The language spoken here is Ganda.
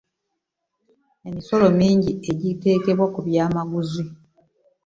emisolo mingi egiteekebwa ku byamaguzi.